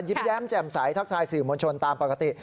แย้มแจ่มใสทักทายสื่อมวลชนตามปกติ